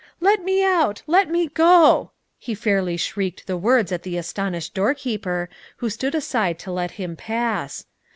"Let me out! let me go!" He fairly shrieked the words at the astonished doorkeeper, who stood aside to let him pass.